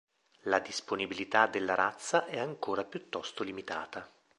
La disponibilità della razza è ancora piuttosto limitata.